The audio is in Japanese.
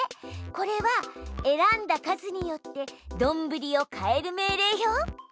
これはえらんだ数によってどんぶりを変える命令よ。